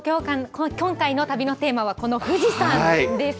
今回の旅のテーマはこの富士山です。